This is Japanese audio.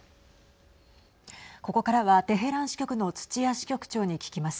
ここからはテヘラン支局の土屋支局長に聞きます。